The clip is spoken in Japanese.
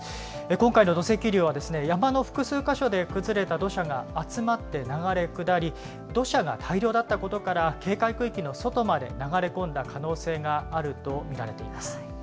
今回の土石流は、山の複数箇所で崩れた土砂が集まって流れ下り、土砂が大量だったことから、警戒区域の外まで流れ込んだ可能性があると見られています。